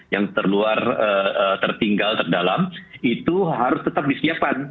yang tertinggal terdalam itu harus tetap disiapkan